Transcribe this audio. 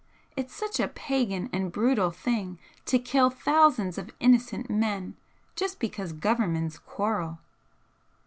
It's such a pagan and brutal thing to kill thousands of innocent men just because Governments quarrel."